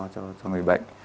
cho người bệnh